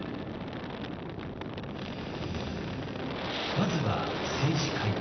まずは政治改革。